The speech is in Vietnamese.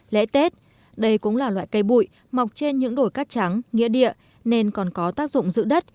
lễ tết đây cũng là loại cây bụi mọc trên những đồi cát trắng nghĩa địa nên còn có tác dụng giữ đất